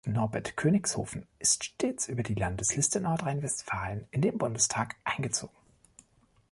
Norbert Königshofen ist stets über die Landesliste Nordrhein-Westfalen in den Bundestag eingezogen.